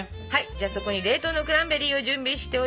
じゃあそこに冷凍のクランベリーを準備しております。